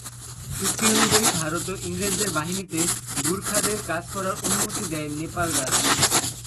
চুক্তি অনুযায়ী, ভারত ও ইংরেজদের বাহিনীতে গুর্খাদের কাজ করার অনুমতি দেয় নেপাল রাজ।